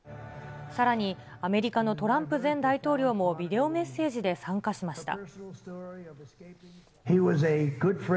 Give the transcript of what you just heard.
さらにアメリカのトランプ前大統領もビデオメッセージで参加しました。